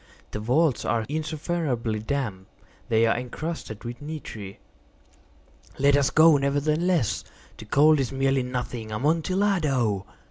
The vaults are insufferably damp. They are encrusted with nitre." "Let us go, nevertheless. The cold is merely nothing. Amontillado!